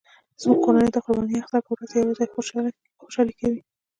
زموږ کورنۍ د قرباني اختر په ورځ یو ځای خوشحالي کوي